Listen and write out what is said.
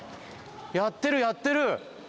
やってるやってる！